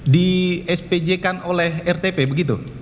di spj kan oleh rtp begitu